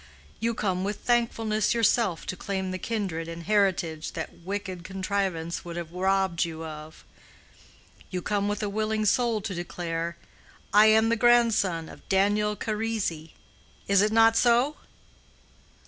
You come with thankfulness yourself to claim the kindred and heritage that wicked contrivance would have robbed you of. You come with a willing soul to declare, 'I am the grandson of Daniel Charisi.' Is it not so?"